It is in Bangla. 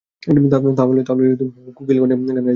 তাহলেই কোকিল কন্ঠে গান গাইতে পারবি।